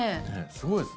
すごいですね。